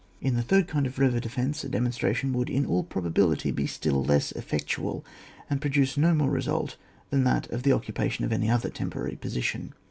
In the third kind of river defence, a demonstration would in all probability be still less effectual, and produce no more restdt than that of the occupation of any other temporary position.